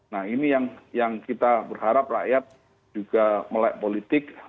nah ini yang kita berharap rakyat juga melek politik